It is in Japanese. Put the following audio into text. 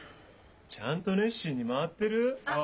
ちゃんと熱心に回ってる？あっ。